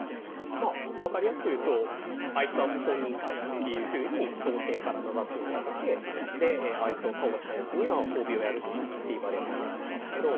まあ分かりやすく言うとあいつは謀反人だっていうふうに朝廷から名指しをされてあいつを倒したやつには褒美をやるぞって言われるわけですけど。